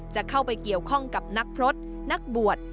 จะเข้าไปเกี่ยวข้องกับนักพฤษนักบวช